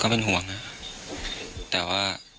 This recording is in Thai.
เป็นห่วงนะแต่ว่า